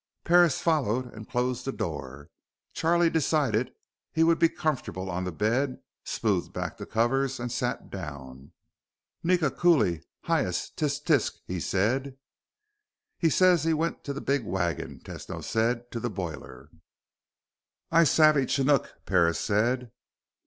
Parris followed and closed the door. Charlie decided he would be comfortable on the bed, smoothed back the covers, and sat down. "Nika cooley hyas tsik tsik," he said. "He says he went to the big wagon," Tesno said. "To the boiler." "I savvy Chinook," Parris said.